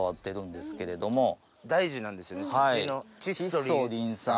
大事なんですよね土の。